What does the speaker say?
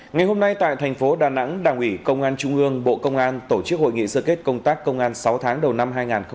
ngày hôm nay tại thành phố đà nẵng đảng ủy công an trung ương bộ công an tổ chức hội nghị sơ kết công tác công an sáu tháng đầu năm hai nghìn hai mươi ba